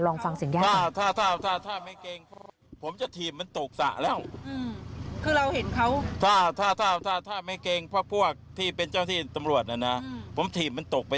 ลองฟังเสียงแย่น